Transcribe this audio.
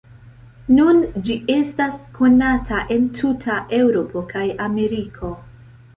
Nun ĝi estas konata en tuta Eŭropo kaj Ameriko.